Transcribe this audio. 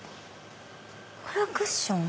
これはクッション？